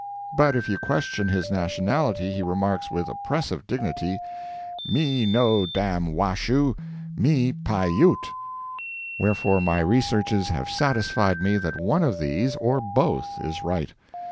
But if you question his nationality, he remarks, with oppressive dignity: "Me no dam Washoe—me Pi Ute!" Wherefore, my researches have satisfied me that one of these, or both, is right.